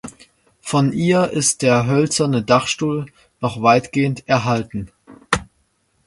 Von ihr ist der hölzerne Dachstuhl noch weitgehend erhalten.